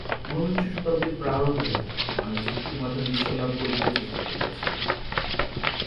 ঊনবিংশ শতাব্দীর প্রারম্ভে মানুষ যুক্তির মাধ্যমে ঈশ্বর লাভ করিতে চেষ্টা করিয়াছিল।